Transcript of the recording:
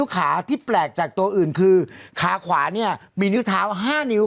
ขาที่แปลกจากตัวอื่นคือขาขวาเนี่ยมีนิ้วเท้า๕นิ้ว